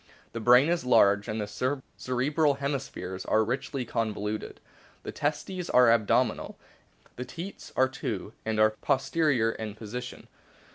The brain is large, and the cerebral hemispheres are richly con voluted. The testes are abdominal. The teats are two, and are posterior in position.